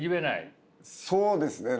そうですね。